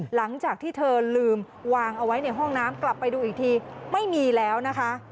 หลังจากที่เธอลืมวางเอาไว้ในห้องน้ำกลับไปดูอีกทีไม่มีแล้วนะคะ